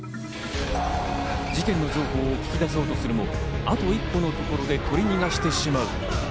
事件の情報を聞き出そうとするも、あと一歩のところで取り逃がしてしまう。